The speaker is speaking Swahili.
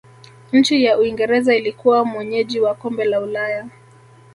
nchi ya uingereza ilikuwa mwenyeji wa kombe la Ulaya